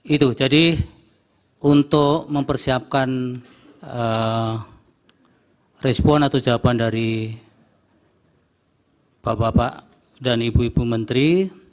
itu jadi untuk mempersiapkan respon atau jawaban dari bapak bapak dan ibu ibu menteri